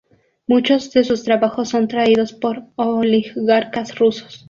Muchos de sus trabajos son traídos por oligarcas rusos.